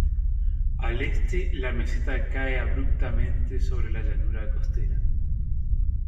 Al este, la meseta cae abruptamente sobre la llanura costera.